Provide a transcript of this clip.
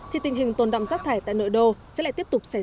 thì tình hình tồn động rác thải tại nội đô sẽ lại tiếp tục xảy ra